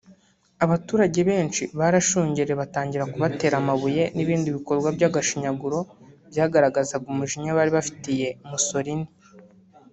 Abaturage benshi barashungereye batangira kubatera amabuye n’ibindi bikorwa by’agashinyaguro byagaragazaga umujinya bari bafitiye Mussolini